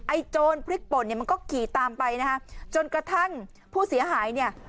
โจรพริกป่นเนี่ยมันก็ขี่ตามไปนะฮะจนกระทั่งผู้เสียหายเนี่ย